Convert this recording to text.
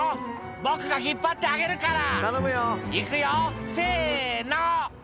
「僕が引っ張ってあげるからいくよせの」